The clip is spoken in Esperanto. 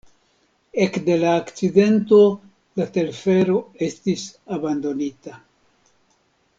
Ekde la akcidento la telfero estis abandonita.